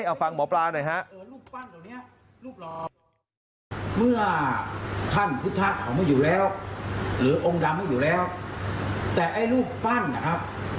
เอาฟังหมอปลาหน่อยฮะ